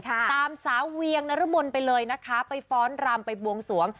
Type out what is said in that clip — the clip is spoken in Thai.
ตามสาวเวียงนรมนไปเลยนะคะไปฟ้อนรำไปบวงสวง